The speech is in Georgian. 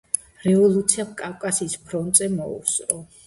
რევოლუციამ კავკასიის ფრონტზე მოუსწრო.